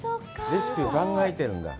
レシピを考えてるんだ？